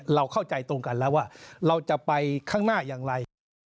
เราเข้าใจตรงกันแล้วว่าเราจะไปข้างหน้าอย่างไร